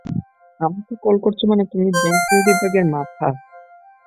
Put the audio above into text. আমাকে কল করছো মানে তুমি ব্যাংকিং বিভাগের মাথা।